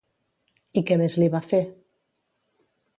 I què més li va fer?